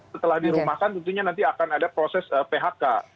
setelah dirumahkan tentunya nanti akan ada proses phk